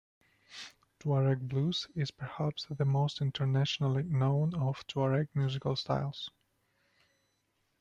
"Tuareg Blues" is perhaps the most internationally known of Tuareg musical styles.